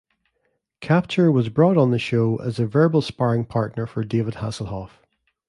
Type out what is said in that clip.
Kapture was brought on the show as a verbal sparring partner for David Hasselhoff.